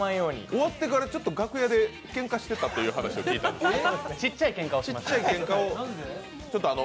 終わってからちょっと楽屋でけんかしてたという話を聞いたんですけど？